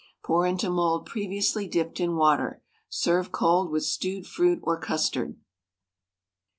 Pour into mould previously dipped in water. Serve cold with stewed fruit or custard.